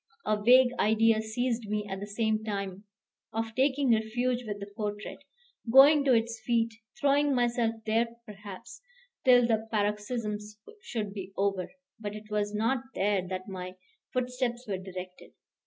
A vague idea seized me at the same time, of taking refuge with the portrait, going to its feet, throwing myself there, perhaps, till the paroxysm should be over. But it was not there that my footsteps were directed.